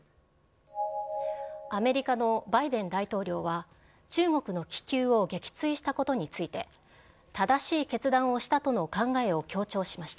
アメリカのバイデン大統領は中国の気球を撃墜したことについて、正しい決断をしたとの考えを強調しました。